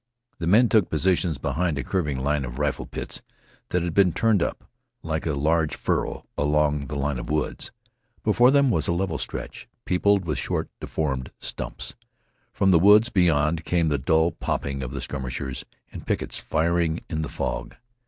The men took positions behind a curving line of rifle pits that had been turned up, like a large furrow, along the line of woods. Before them was a level stretch, peopled with short, deformed stumps. From the woods beyond came the dull popping of the skirmishers and pickets, firing in the fog.